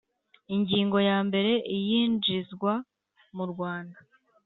Ingingo ya mbere Iyinjizwa mu Rwanda